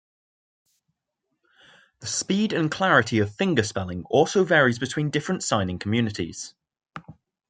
The speed and clarity of fingerspelling also varies between different signing communities.